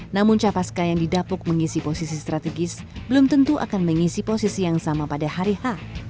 namun capaska yang didapuk mengisi posisi strategis belum tentu akan mengisi posisi yang sama pada hari h